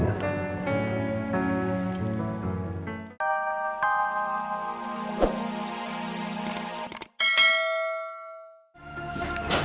nino aku mau ke rumah